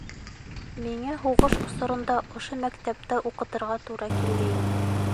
Миңә һуғыш осоронда ошо мәктәптә уҡытырға тура килгәйне.